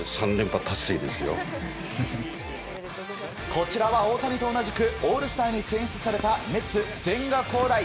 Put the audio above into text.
こちらは大谷と同じくオールスターに選出されたメッツ、千賀滉大。